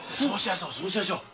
そうしやしょう！